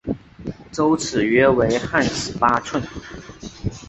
周尺约为汉尺八寸。